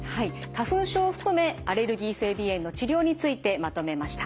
花粉症を含めアレルギー性鼻炎の治療についてまとめました。